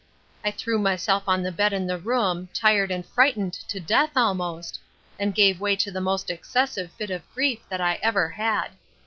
I threw myself on the bed in the room, tired and frightened to death almost; and gave way to the most excessive fit of grief that I ever had.